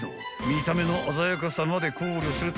［見た目の鮮やかさまで考慮するとは脱帽］